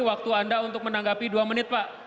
waktu anda untuk menanggapi dua menit pak